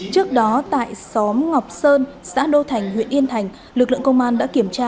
trước đó tại xóm ngọc sơn xã đô thành huyện yên thành lực lượng công an đã kiểm tra